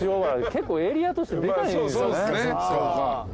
結構エリアとしてでかいんですよね。